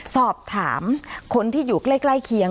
สอบถามคนที่อยู่ใกล้เคียง